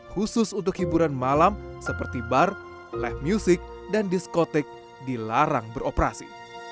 khusus untuk hiburan malam seperti bar live music dan diskotik dilarang beroperasi